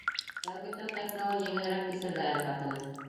Тәүге төн ҡайтмауын еңелерәк кисерҙе әле ҡатыны.